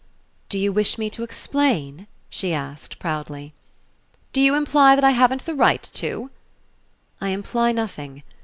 "Do you wish me to explain?" she asked, proudly. "Do you imply I haven't the right to?" "I imply nothing.